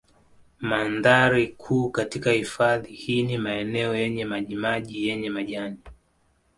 Mandhari kuu katika hifadhi hii ni maeneo yenye maji maji yenye majani